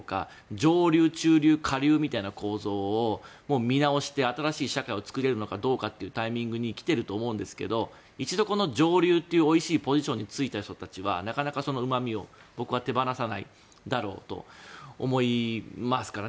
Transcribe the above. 上流、中流、下流みたいな構造を見直して新しい社会を作れるのかどうかというタイミングに来ていると思うんですが一度この上流というおいしいポジションに就いた人たちはなかなかそのうまみを手放さないだろうと思いますからね。